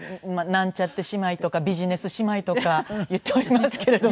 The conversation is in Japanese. なんちゃって姉妹とかビジネス姉妹とか言っておりますけれども。